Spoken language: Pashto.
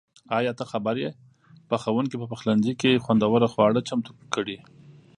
ایا ته خبر یې؟ پخونکي په پخلنځي کې خوندور خواړه چمتو کړي.